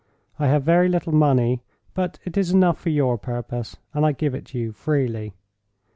I have very little money, but it is enough for your purpose, and I give it you freely.